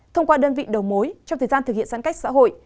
thông qua đơn vị đầu mối trong thời gian thực hiện giãn cách xã hội